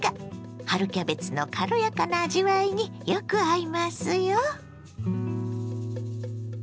春キャベツの軽やかな味わいによく合いますよ。